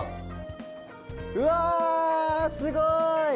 うわすごい！